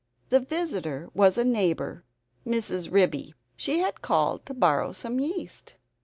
The visitor was a neighbor, Mrs. Ribby; she had called to borrow some yeast.